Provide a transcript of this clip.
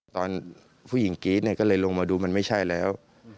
ตอนผู้หญิงกรี๊ดเนี่ยก็เลยลงมาดูมันไม่ใช่แล้ว